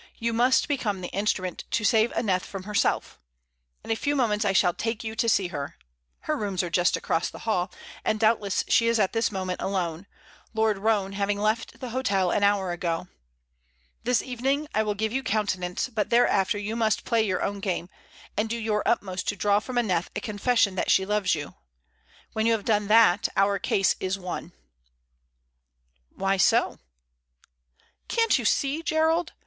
"You must become the instrument to save Aneth from herself. In a few moments I shall take you to see her. Her rooms are just across the hall, and doubtless she is at this moment alone, Lord Roane having left the hotel an hour ago. This evening I will give you countenance, but thereafter you must play your own game, and do your utmost to draw from Aneth a confession that she loves you. When you have done that, our case is won." "Why so?" "Can't you see, Gerald?